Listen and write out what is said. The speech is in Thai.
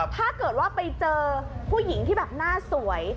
ถ้าเกิดว่าไปเจอผู้หญิงที่แบบหน้าสวย